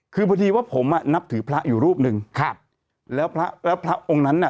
คือพอดีว่าผมอ่ะนับถือพระอยู่รูปหนึ่งครับแล้วพระแล้วพระองค์นั้นน่ะ